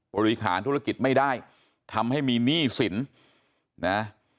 บริหารธุรกิจไม่ได้ทำให้มีหนี้สินนะ